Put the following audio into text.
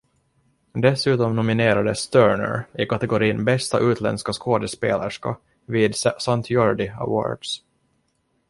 Dessutom nominerades Turner i kategorin bästa utländska skådespelerska vid Sant Jordi Awards.